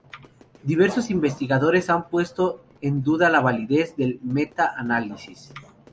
Diversos investigadores han puesto en duda la validez del meta-análisis.